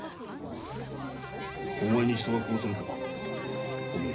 お前に人が殺せるかおみわ。